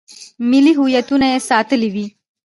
ملي هویتونه یې ساتلي وي.